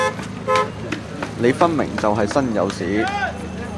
你分明就係身有屎